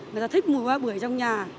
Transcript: người ta thích mùi hoa bưởi trong nhà